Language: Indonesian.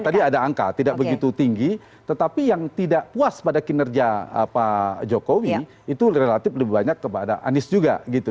tadi ada angka tidak begitu tinggi tetapi yang tidak puas pada kinerja pak jokowi itu relatif lebih banyak kepada anies juga gitu